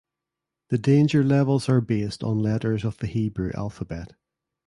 The danger levels are based on letters of the Hebrew alphabet.